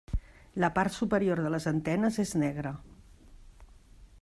La part superior de les antenes és negre.